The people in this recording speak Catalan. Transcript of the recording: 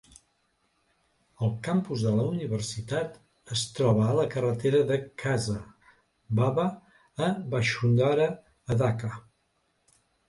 El campus de la universitat es troba a la carretera de Khaza Baba a Bashundhara, a Dhaka.